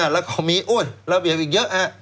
แล้วก็มีระเบียบอีกเยอะฮะ